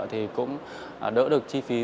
thì cũng đỡ được chi phí